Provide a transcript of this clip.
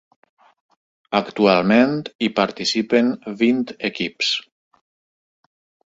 Actualment hi participen vint equips.